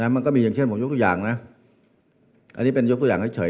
มันก็มีอย่างเช่นผมว่ายกทุกอย่างอันนี้เป็นยกทุกอย่างเฉย